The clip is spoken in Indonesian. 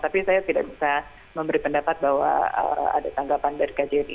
tapi saya tidak bisa memberi pendapat bahwa ada tanggapan dari kjri